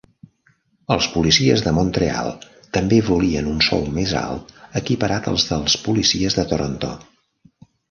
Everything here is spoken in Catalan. Els policies de Montreal també volien un sou més alt, equiparat als dels policies de Toronto.